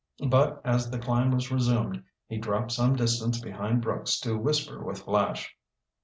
But, as the climb was resumed, he dropped some distance behind Brooks to whisper with Flash.